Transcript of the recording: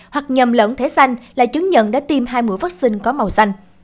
hoặc nhầm lẫn thế xanh là chứng nhận đã tiêm hai mũi vaccine có màu xanh